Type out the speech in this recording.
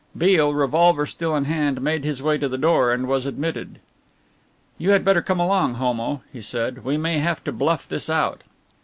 Beale, revolver still in hand, made his way to the door and was admitted. "You had better come along, Homo," he said, "we may have to bluff this out."